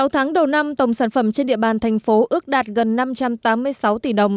sáu tháng đầu năm tổng sản phẩm trên địa bàn thành phố ước đạt gần năm trăm tám mươi sáu tỷ đồng